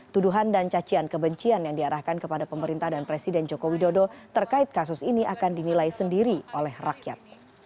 tuduhan dan cacian kebencian yang diarahkan kepada pemerintah dan presiden joko widodo terkait kasus ini akan dinilai sendiri oleh rakyat